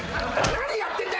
何やってんだ。